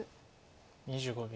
２５秒。